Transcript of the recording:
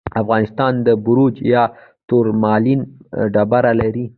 افغانستان د بیروج یا تورمالین ډبرې لري.